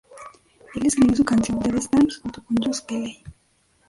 Él escribió su canción "The Best Thing", junto con Josh Kelley.